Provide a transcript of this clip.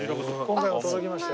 今回も届きました。